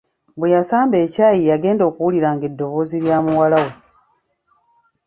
Bweyasamba ekyayi yagenda okuwulira nga eddoboozi lya muwala we.